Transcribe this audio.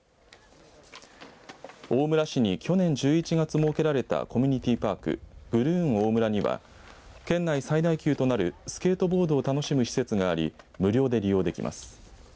大村市に去年１１月設けられたコミュニティーパークグルーンおおむらには県内最大級となるスケートボードを楽しむ施設があり無料で利用できます。